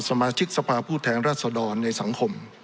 สมาชิกสภาพผู้แทนรัศดรในสังคม